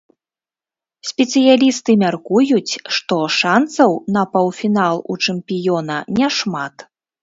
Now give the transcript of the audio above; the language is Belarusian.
Спецыялісты мяркуюць, што шанцаў на паўфінал у чэмпіёна не шмат.